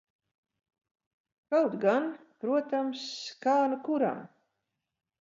Kaut gan, protams, kā nu kuram.